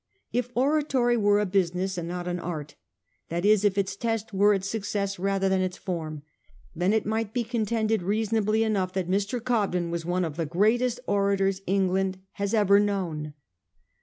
If oratory were a business and not an art — that is, if its test were its success rather than its form — then it might be contended reasonably enough that Mr. Cobden was one of the greatest orators England has ever known.